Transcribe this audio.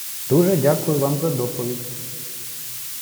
дуже дякую вам за доповідь!